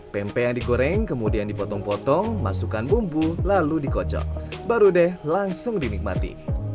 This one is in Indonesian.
pempek yang digoreng kemudian dipotong potong masukkan bumbu lalu dikocok baru deh langsung dinikmati